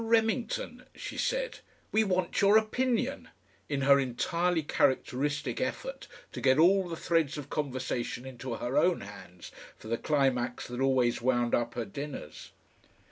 Remington," she said, "we want your opinion " in her entirely characteristic effort to get all the threads of conversation into her own hands for the climax that always wound up her dinners.